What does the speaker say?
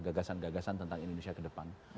gagasan gagasan tentang indonesia ke depan